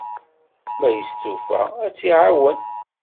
Ma yestufa, ad tt-iɛawen.